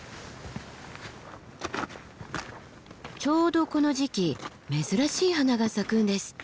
ちょうどこの時期珍しい花が咲くんですって。